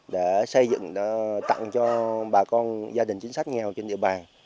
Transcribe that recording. để xây dựng tặng cho bà con gia đình chính sách nghèo trên địa bàn